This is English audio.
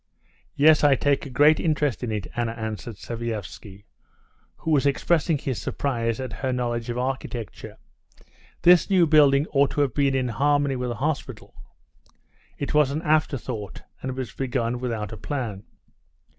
"Yes, I take a great interest in it," Anna answered Sviazhsky, who was expressing his surprise at her knowledge of architecture. "This new building ought to have been in harmony with the hospital. It was an afterthought, and was begun without a plan."